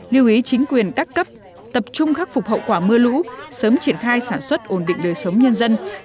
lưu ý chính quyền các cấp tập trung khắc phục hậu quả mưa lũ sớm triển khai sản xuất ổn định đời sống nhân dân